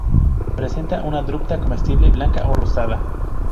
Presenta una drupa comestible, blanca o rosada.